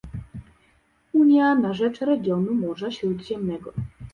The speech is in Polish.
Unia na rzecz regionu Morza Śródziemnego